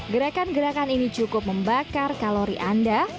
gerakan gerakan ini cukup membakar kalori anda